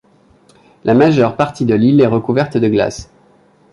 La majeure partie de l'île est recouverte de glace.